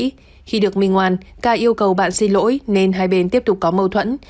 khi được minh hoàn k yêu cầu bạn xin lỗi nên hai bên tiếp tục có mâu thuẫn